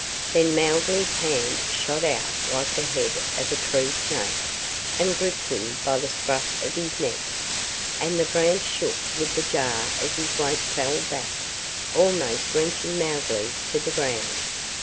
Then Mowgli's hand shot out like the head of a tree snake, and gripped him by the scruff of his neck, and the branch shook with the jar as his weight fell back, almost wrenching Mowgli to the ground.